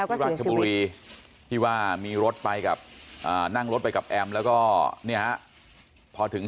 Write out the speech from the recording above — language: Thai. พี่รัชบุรีพี่ว่ามีรถไปกับรถกำหนั้งกับแอมแล้วก็เนี้ยพอถึง